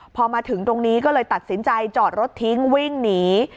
พอมาถึงตรงนี้ก็เลยตัดสินใจจอดรถทิ้งวิ่งหนี